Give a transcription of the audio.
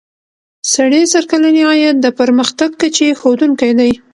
سړي سر کلنی عاید د پرمختګ کچې ښودونکی دی.